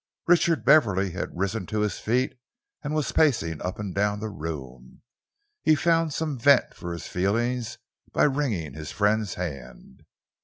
Richard Beverley had risen to his feet and was pacing up and down the room. He found some vent for his feelings by wringing his friend's hand.